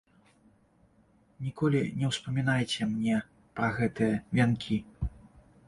Ніколі не ўспамінайце мне пра гэтыя вянкі.